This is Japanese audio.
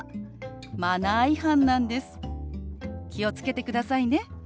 気を付けてくださいね。